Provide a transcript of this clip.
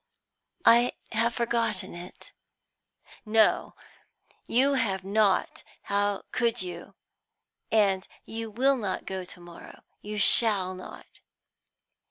I have forgotten it." "No, you have not; how could you? And you will not go to morrow; you shall not."